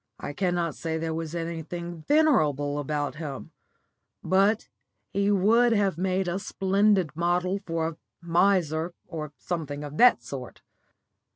I cannot say there was anything venerable about him, but he would have made a splendid model for a miser or something of that sort.